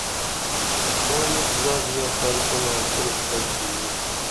مائی ایس زادیہ پرل پرِنا صرف تس بِنی